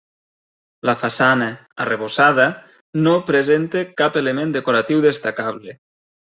La façana, arrebossada, no presenta cap element decoratiu destacable.